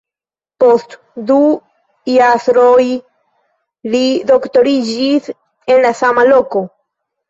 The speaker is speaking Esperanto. Post du jasroj li doktoriĝis en la sama loko.